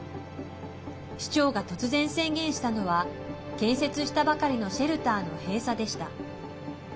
市長が突然宣言したのは建設したばかりのシェルターの閉鎖でした。